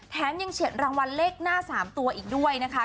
แถมยังเฉียดรางวัลเลขหน้า๓ตัวอีกด้วยนะคะ